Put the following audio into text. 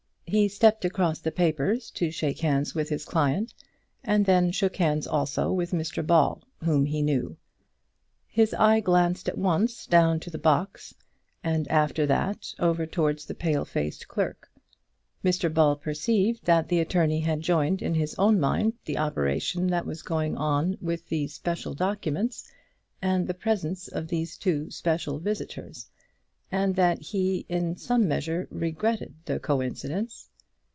He stepped across the papers to shake hands with his client, and then shook hands also with Mr Ball, whom he knew. His eye glanced at once down to the box, and after that over towards the pale faced clerk. Mr Ball perceived that the attorney had joined in his own mind the operation that was going on with these special documents, and the presence of these two special visitors; and that he, in some measure, regretted the coincidence.